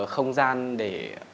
không gian để